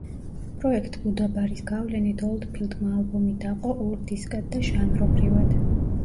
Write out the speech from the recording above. პროექტ ბუდა ბარის გავლენით ოლდფილდმა ალბომი დაყო ორ დისკად და ჟანრობრივად.